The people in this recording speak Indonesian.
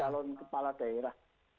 calon kepala daerah